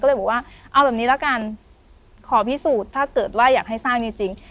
ก็เลยบอกว่าเอาแบบนี้ละกันขอพิสูจน์ถ้าเกิดว่าอยากให้สร้างจริง